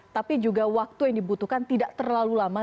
tapi juga waktu yang dibutuhkan tidak terlalu lama